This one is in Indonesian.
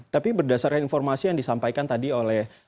tapi berdasarkan informasi yang disampaikan tadi oleh